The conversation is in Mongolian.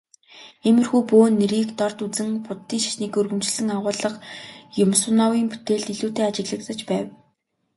Иймэрхүү бөө нэрийг дорд үзэн Буддын шашныг өргөмжилсөн агуулга Юмсуновын бүтээлд илүүтэй ажиглагдаж байна.